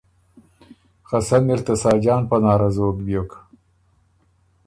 خه سن اِر ته ساجان پناره زوک بیوک